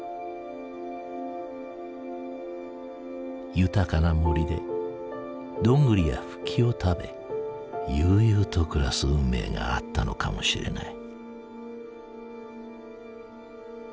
豊かな森でドングリやフキを食べ悠々と暮らす運命があったのかもしれない。